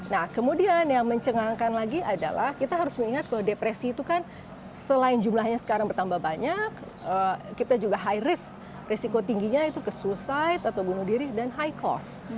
nah kemudian yang mencengangkan lagi adalah kita harus mengingat kalau depresi itu kan selain jumlahnya sekarang bertambah banyak kita juga high risk risiko tingginya itu ke suicide atau bunuh diri dan high cost